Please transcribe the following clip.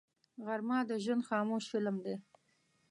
غرمه د ژوند خاموش فلم دی